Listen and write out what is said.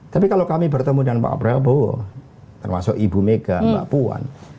tapi kalau kami bertemu dengan pak prabowo termasuk ibu mega mbak puan